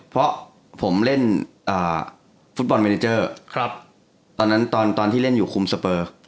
เพราะผมเล่นฟุตบอลเมนิเจอร์ตอนนั้นตอนที่เล่นอยู่คุมสเปอร์